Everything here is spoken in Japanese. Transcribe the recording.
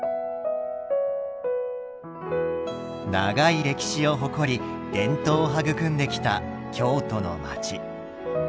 長い歴史を誇り伝統を育んできた京都の街。